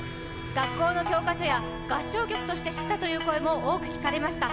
学校の教科書や合唱曲として知ったという声も多く聞かれました。